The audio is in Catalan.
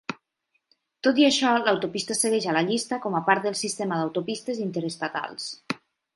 Tot i això, l'autopista segueix a la llista com a part del sistema d'autopistes interestatals.